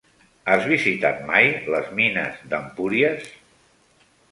Has visitat mai les mines d'Empúries?